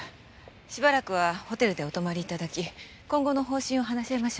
しばらくはホテルでお泊まり頂き今後の方針を話し合いましょう。